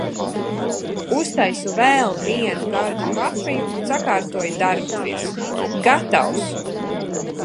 Uztaisu vēl vienu gardu kafiju un sakārtoju darbvirsmu. Gatavs!